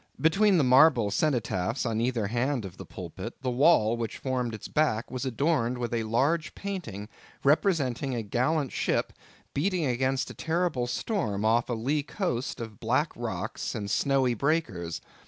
Between the marble cenotaphs on either hand of the pulpit, the wall which formed its back was adorned with a large painting representing a gallant ship beating against a terrible storm off a lee coast of black rocks and snowy breakers.